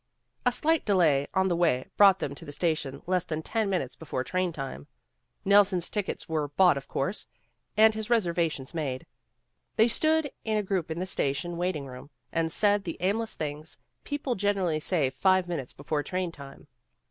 A slight delay on the way brought them to the station less than ten minutes before train time. Nelson's tickets were bought, of course, and his reservations made. They stood in a group in the station, waiting room and said the aimless things people generally say five minutes before train time.